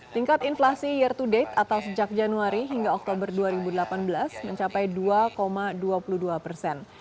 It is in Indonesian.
tingkat inflasi year to date atau sejak januari hingga oktober dua ribu delapan belas mencapai dua dua puluh dua persen